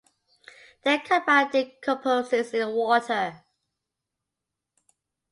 The compound decomposes in water.